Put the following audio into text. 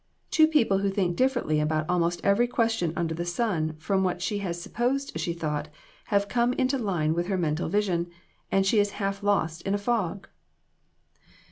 Two people who think differently about almost every question under the sun from what she has supposed she thought, have come into line with her mental vision, and she is half lost in a fog."